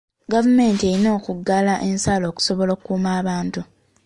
Gavumenti erina okuggala ensalo okusobola okukuuma abantu.